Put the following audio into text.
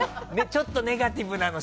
ちょっとネガティブなの。